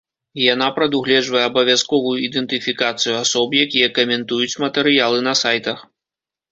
Яна прадугледжвае абавязковую ідэнтыфікацыю асоб, якія каментуюць матэрыялы на сайтах.